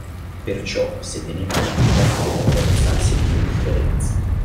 Perciò, se teneva alla vita, doveva corazzarsi d'indifferenza.